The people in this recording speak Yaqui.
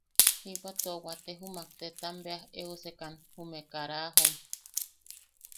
Jiba tua waate jumak tetam beas eusekan jume karajom.